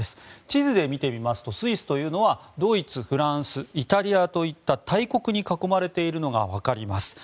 地図で見てみますとスイスというのはドイツ、フランスイタリアといった大国に囲まれているのが分かります。